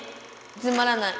つまらない。